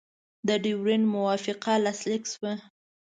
د ډیورنډ موافقه لاسلیک شوه.